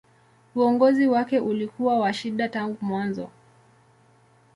Uongozi wake ulikuwa wa shida tangu mwanzo.